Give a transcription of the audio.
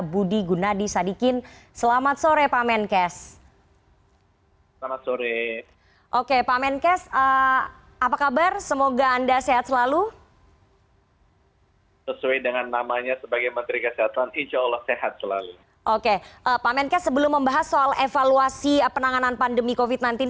budi gunadi sadikin